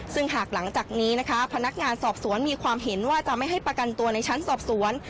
ซึ่งหากหลังจากนี้นะคะพนักงานสอบสวนมีความเห็นว่าจะไม่ให้ประกันตัวในชั้นสอบสวน